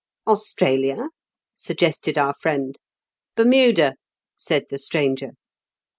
" AustraKa ?" suggested our friend. " Bermuda," said the stranger.